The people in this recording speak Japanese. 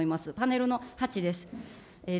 パネルの８です。